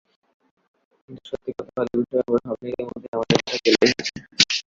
কিন্তু সত্যি কথা হলো, বিশ্বকাপের ভাবনা ইতিমধ্যেই আমাদের মাথায় চলে এসেছে।